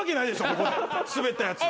ここでスベったやつ。